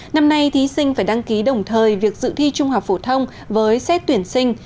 năm nay thí sinh phải đăng ký đồng thời việc dự thi trung học phổ thông với xét tuyển sinh